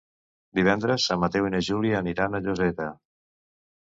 Divendres en Mateu i na Júlia aniran a Lloseta.